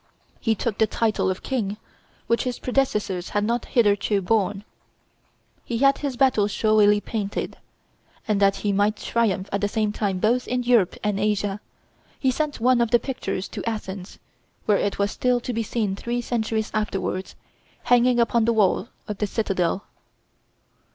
He took the title of King, which his predecessors had not hitherto borne. He had his battles showily painted; and that he might triumph at the same time both in Europe and Asia, he sent one of the pictures to Athens, where it was still to be seen three centuries afterwards, hanging upon the wall of the citadel.